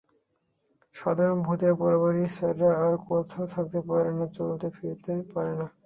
সাধারণ ভূতেরা পোড়োবাড়ি ছাড়া আর কোথাও থাকতে পারবে না, চলতে-ফিরতেও পারবে না।